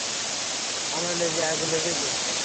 আমার লেজে আগুন লেগেছে!